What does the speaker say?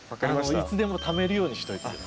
いつでもためるようにしといて下さい。